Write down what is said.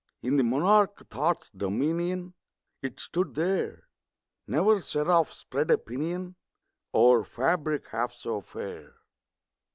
In the monarch Thought's dominion It stood there! Never seraph spread a pinion Over fabric half so fair!